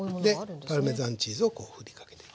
でパルメザンチーズを振りかけていく。